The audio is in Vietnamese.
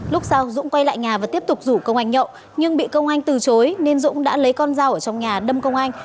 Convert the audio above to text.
lúc sau dũng quay lại nhà và tiếp tục rủ công anh nhậu nhưng bị công anh từ chối nên dũng đã lấy con dao ở trong nhà đâm công anh